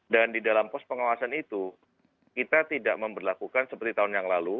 dan di dalam pos pengawasan itu kita tidak memperlakukan seperti tahun yang lalu